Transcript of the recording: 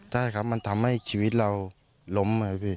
ใช่ครับมันทำให้ชีวิตเราหลม